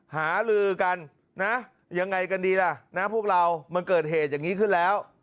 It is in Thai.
หาลือกันนะยังไงกันดีล่ะนะพวกเรามันเกิดเหตุอย่างนี้ขึ้นแล้ว